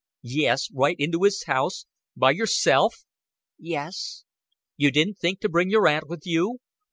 "Yes, right into his house. By yourself?" "Yes." "You didn't think to bring your aunt with you.